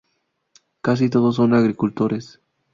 Casi todos son agricultores.